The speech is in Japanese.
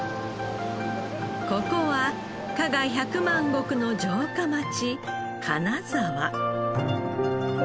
ここは加賀百万石の城下町金沢。